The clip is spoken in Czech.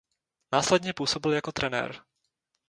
Následně působil jako trenér.